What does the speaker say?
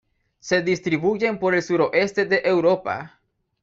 Se distribuyen por el suroeste de Europa.